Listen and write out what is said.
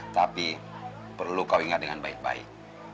tapi perlu kau ingat dengan baik baik